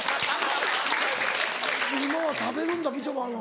今は食べるんだみちょぱも。